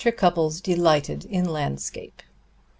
Cupples delighted in landscape.